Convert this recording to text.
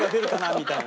みたいな。